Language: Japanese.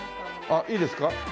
あっいいですか。